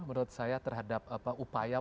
menurut saya terhadap upaya